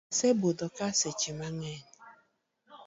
Asebudhoka seche mangeny.